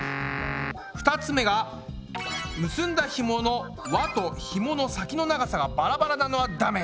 ２つ目が結んだひもの輪とひもの先の長さがバラバラなのはダメ。